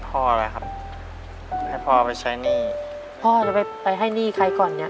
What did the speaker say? พ่อไปให้หนี้ไข่ก่อนเนี้ย